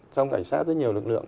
trong cảnh sát rất nhiều lực lượng